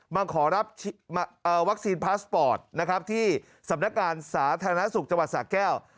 มาขอรับวัคซีนพาสปอร์ตนะครับที่สำนักการสาธารณสุขจังหวัดสะแก้ว